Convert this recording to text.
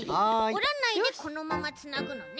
おらないでこのままつなぐのね。